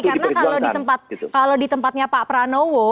karena kalau di tempatnya pak pranowo